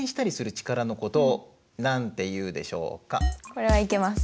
これはいけます。